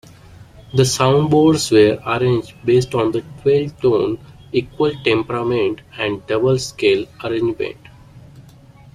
The soundboards were arranged based on twelve-tone equal temperament and double scale arrangement.